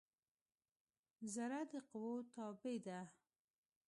ذره د قوؤ تابع ده.